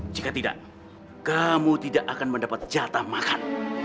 jika tidak kamu tidak akan mendapat jatah makan